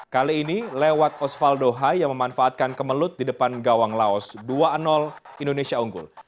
kali ini lewat osvaldo hai yang memanfaatkan kemelut di depan gawang laos dua indonesia unggul